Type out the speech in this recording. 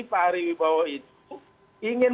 pak arifin itu ingin